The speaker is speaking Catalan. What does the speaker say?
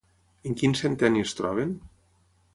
En quin centenni es troben?